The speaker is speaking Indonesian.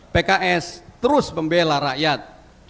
pks terus membela rakyat